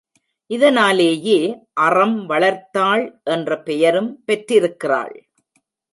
இதனாலேயே அறம்வளர்த்தாள் என்ற பெயரும் பெற்றிருக்கிறாள்.